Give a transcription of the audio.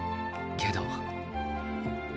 けど。